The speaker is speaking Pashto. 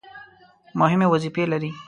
مهمې وظیفې لري.